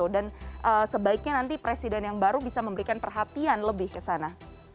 dan sebaiknya nanti presiden yang baru bisa memberikan perhatian lebih kesana